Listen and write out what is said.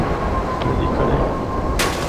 predicaré